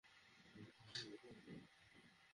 আমি এখান থেকে কীভাবে জানব?